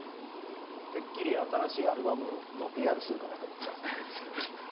てっきり新しいアルバムのＰＲするかなと思ってたんですけど。